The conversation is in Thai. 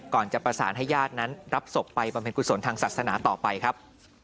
ก่อนจะประสานให้ญาตินั้นรับศพไปบำเพ็ญกุศลทางศาสนาต่อไปครับ